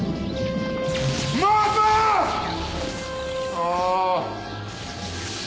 ああ。